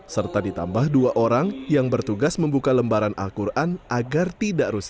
serta ditambah dua orang yang bertugas membuka lembaran al quran agar tidak rusak